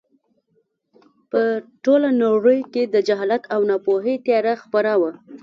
په ټوله نړۍ کې د جهالت او ناپوهۍ تیاره خپره وه.